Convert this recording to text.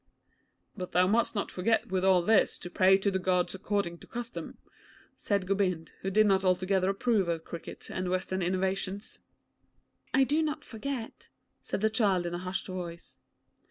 'But thou must not forget with all this to pray to the Gods according to custom,' said Gobind, who did not altogether approve of cricket and Western innovations. 'I do not forget,' said the child in a hushed voice.